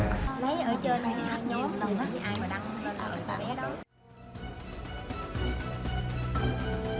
mấy ở trên này nhóm đồng hành với ai mà đăng tạo bản tạo